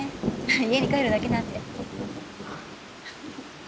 家に帰るだけなんで。